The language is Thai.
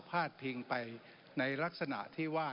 ภาพันธุ์ทิงไปในลักษณะว่า